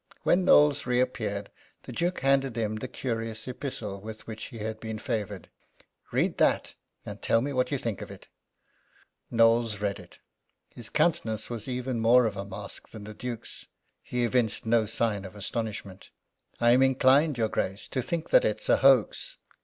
When Knowles reappeared the Duke handed him the curious epistle with which he had been favoured. "Read that, and tell me what you think of it." Knowles read it. His countenance was even more of a mask than the Duke's. He evinced no sign of astonishment. "I am inclined, your Grace, to think that it's a hoax."